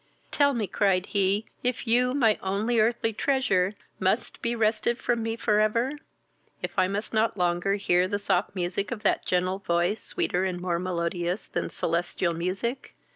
"Tell me, (cried he,) if you, my only earthly treasure, must be wrested from me for ever? if I must not longer hear the soft sound of that gentle voice, sweeter and more melodious than celestial music?